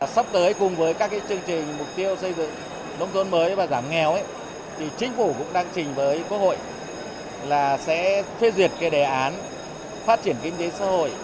sắp tới cùng với các chương trình mục tiêu xây dựng nông thôn mới và giảm nghèo thì chính phủ cũng đang trình với quốc hội là sẽ phê duyệt cái đề án phát triển kinh tế xã hội